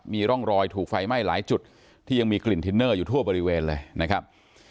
มีร่องรอยถูกไฟไหม้หลายจุดที่ยังมีกลิ่นทินเนอร์อยู่ทั่วบริเวณเลยนะครับ